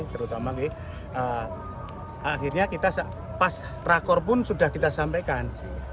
terutama akhirnya kita pas rakor pun sudah kita sampaikan